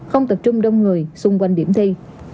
không tập trung đông người xung quanh điểm thi